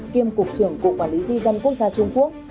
kiêm cục trưởng cục quản lý di dân quốc gia trung quốc